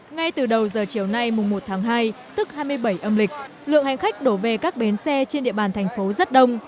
ngay từ đầu giờ chiều nay mùng một tháng hai tức hai mươi bảy âm lịch lượng hành khách đổ về các bến xe trên địa bàn thành phố rất đông